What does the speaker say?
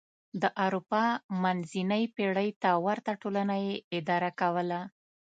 د اروپا منځنۍ پېړۍ ته ورته ټولنه یې اداره کوله.